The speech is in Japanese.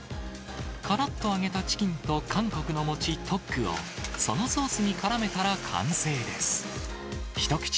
からっと揚げたチキンと、韓国の餅、トックをそのソースにからめたら完成です。